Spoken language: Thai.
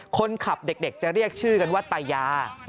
คนขับเด็กจะเรียกชื่อกันว่าตายา